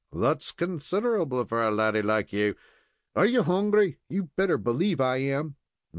"That's considerable for a laddy like you. Are you hungry?" "You'd better believe I am."